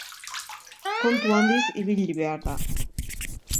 Kontu handiz ibili behar da.